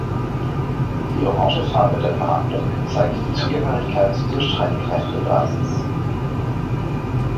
Die orange Farbe der Umrandung zeigt die Zugehörigkeit zur Streitkräftebasis.